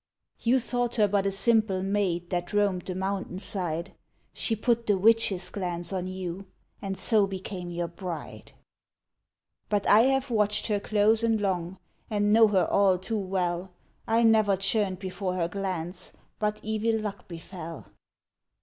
You thought her but a simple maid That roamed the mountain side ; She put the witch's glance on you, And so became your bride. But I have watched her close and long, And know her all too well ; I never churned before her glance But evil luck befell.